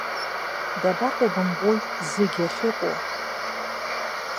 Дабаҟоу бымбои, зегь ахьыҟоу!